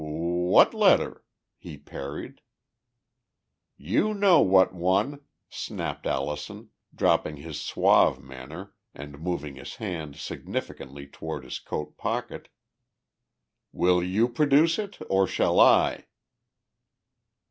"What letter?" he parried. "You know what one!" snapped Allison, dropping his suave manner and moving his hand significantly toward his coat pocket. "Will you produce it or shall I?"